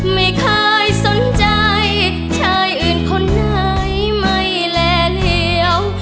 ไม่เคยสนใจชายอื่นคนไหนไม่แลเหลว